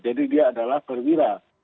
jadi dia adalah perwira